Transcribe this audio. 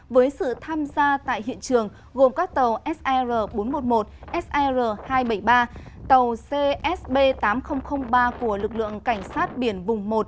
với sự tham gia tại hiện trường gồm các tàu sr bốn trăm một mươi một sr hai trăm bảy mươi ba tàu csb tám nghìn ba của lực lượng cảnh sát biển vùng một